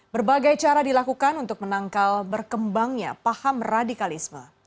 berbagai cara dilakukan untuk menangkal berkembangnya paham radikalisme